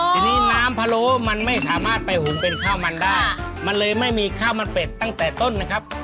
ทีนี้น้ำพะโล้มันไม่สามารถไปหุงเป็นข้าวมันได้มันเลยไม่มีข้าวมันเป็ดตั้งแต่ต้นนะครับ